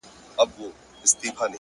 هره تېروتنه د پوهې نوی درس دی؛